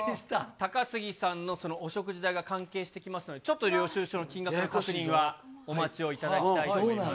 高杉さんのそのお食事代が関係してきますので、ちょっと領収書の金額の確認はお待ちをいただきたいと思います。